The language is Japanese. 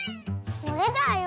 これだよ。